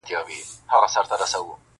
• ویل خدایه څه ښکرونه لرم ښکلي -